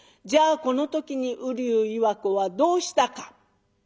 じゃあこの時に瓜生岩子はどうしたか？